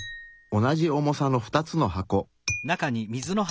おなじ重さの２つの箱。